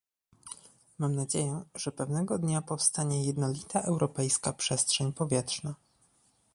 Mam nadzieję, że pewnego dnia powstanie jednolita europejska przestrzeń powietrzna